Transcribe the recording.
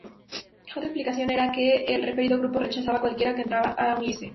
Otra explicación era que el referido grupo rechazaba a cualquiera que tratara de unirse.